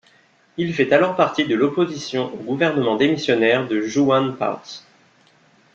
Il fait alors partie de l'opposition au gouvernement démissionnaire de Juhan Parts.